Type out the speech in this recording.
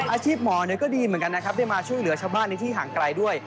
อาชีพหมอก็ดีเหมือนกันนะครับได้มาช่วยเหลือชาวบ้านในที่ห่างไกลด้วย